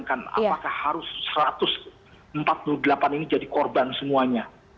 anda bisa bayangkan apakah harus satu ratus empat puluh delapan ini jadi korban semuanya